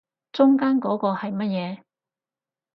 中間嗰個係乜嘢